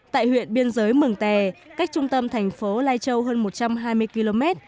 tại huyện biên giới mường tè cách trung tâm thành phố lai châu hơn một trăm hai mươi km